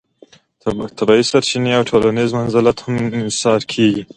طبیعي سرچینې او ټولنیز منزلت هم انحصار کیږي.